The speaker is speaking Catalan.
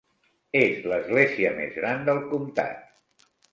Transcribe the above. És l'església més gran del comptat.